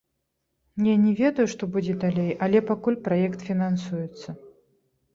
Я не ведаю, што будзе далей, але пакуль праект фінансуецца.